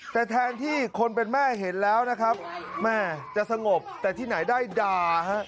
แต่แทนที่คนเป็นแม่เห็นแล้วนะครับแม่จะสงบแต่ที่ไหนได้ด่าฮะ